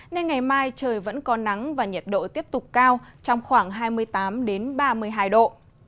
nên ngày mai trời vẫn có nắng và nhiệt độ tiếp tục cao trong khoảng hai mươi tám ba mươi hai độ